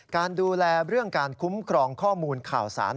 การดูแลเรื่องการคุ้มครองข้อมูลข่าวสาร